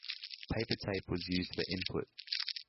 Paper tape was used for input.